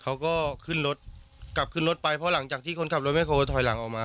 เขาก็ขึ้นรถกลับขึ้นรถไปเพราะหลังจากที่คนขับรถแคลถอยหลังออกมา